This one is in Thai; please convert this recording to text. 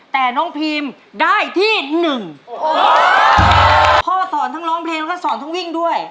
แต่น้องพีมได้ที่หนึ่งโอ้โหพ่อสอนทั้งร้องเพลงแล้วก็สอนทั้งวิ่งด้วย